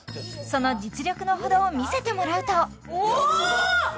その実力のほどを見せてもらうとおおっ！